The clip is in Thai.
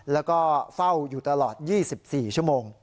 แล้วก็เฝ้าอยู่ตลอด๒๔ชั่วโมง